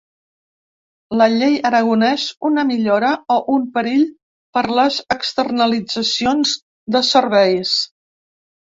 La ‘llei Aragonès’: una millora o un perill per les externalitzacions de serveis?